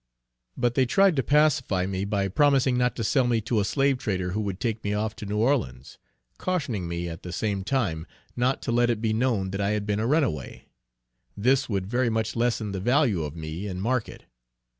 But they tried to pacify me by promising not to sell me to a slave trader who would take me off to New Orleans; cautioning me at the same time not to let it be known that I had been a runaway. This would very much lessen the value of me in market.